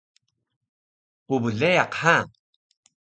pbleyaq ha!